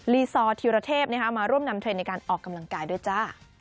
ซอร์ธีรเทพมาร่วมนำเทรนด์ในการออกกำลังกายด้วยจ้า